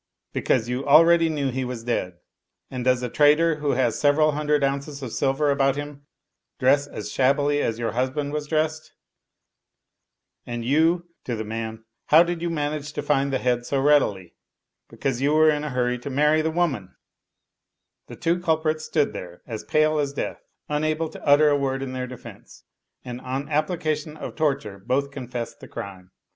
Because you al ready knew he was dead. And does a trader who has sev eral hundred ounces of silver about him dress as shabbily as your husband was dressed? And you [to the man], how did you manage to find the head so readily? Because you were in a hurry to marry the woman/* The two culprits stood there as pale as death, unable to utter a word in tfieir defense; and on the application of torture both confessed the crime.